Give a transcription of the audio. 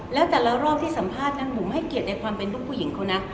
แล้วแต่ละรอบที่สัมภาษณ์นั้นบุ๋มให้เกียรติในความเป็นลูกผู้หญิงเขานะ